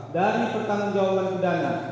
dari pertanggung jawaban pidana